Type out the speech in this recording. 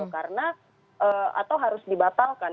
karena atau harus dibatalkan